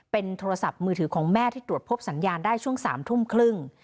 เป็นโทรศัพท์มือถือของแม่ที่ตรวจพบสัญญาณได้ช่วง๓ทุ่มครึ่ง